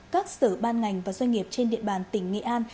các sở ban ngành và doanh nghiệp trên địa bàn tỉnh nghệ an